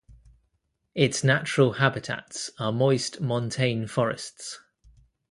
Its natural habitats are moist montane forests.